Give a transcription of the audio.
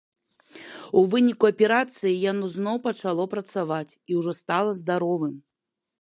У выніку аперацыі яно зноў пачало працаваць і ўжо стала здаровым.